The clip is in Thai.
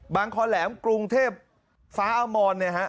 บางคลแหลมกรุงเทพฟ้าอามรนะฮะ